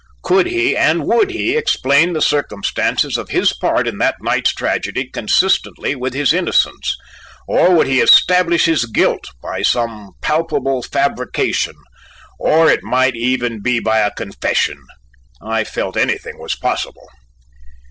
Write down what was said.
Could he and would he explain the circumstances of his part in that night's tragedy consistently with his innocence, or would he establish his guilt by some palpable fabrication, or it might even be by a confession! I felt anything was possible.